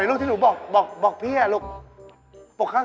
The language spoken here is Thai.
เดินไปนะครับเดินไปนะครับ